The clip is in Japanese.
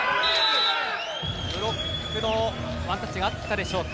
ブロックのワンタッチがあったでしょうか。